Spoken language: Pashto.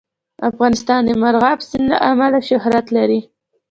افغانستان د مورغاب سیند له امله شهرت لري.